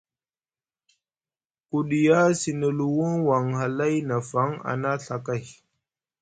Ku ɗiya sini luwuŋ won hlay na faŋ a na Ɵa kay.